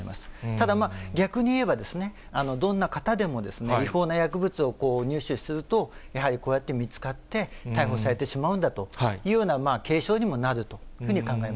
ただ、逆にいえば、どんな方でもですね、違法な薬物を入手すると、やはりこうやって見つかって、逮捕されてしまうんだというような警鐘にもなるというふうに考え